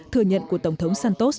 thừa nhận của tổng thống santos